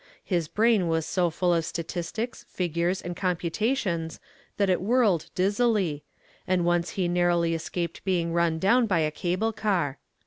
His brain was so full of statistics, figures, and computations that it whirled dizzily, and once he narrowly escaped being run down by a cable car.